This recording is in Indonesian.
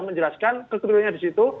menjelaskan kekejadiannya di situ